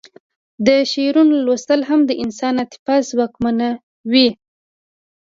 د شعرونو لوستل هم د انسان عاطفه ځواکمنوي